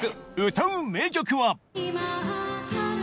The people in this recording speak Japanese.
歌う名曲は